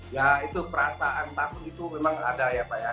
ya itu perasaan takut itu memang ada ya pak ya